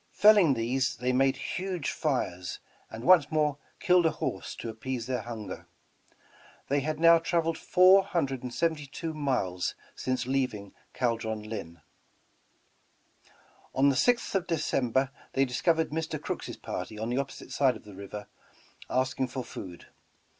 Felling these, they made huge fires and once more killed a horse to appease their hunger. They had now traveled four hundred and seventy two miles since leaving "Caldron Linn." On the 6th of December, they discovered Mr. Crooks' party on the opposite side of the river avsking for food.